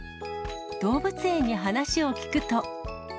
動物園に話を聞くと。